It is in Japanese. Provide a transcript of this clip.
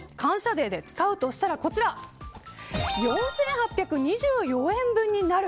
デーで使うとしたら４８２４円分になる。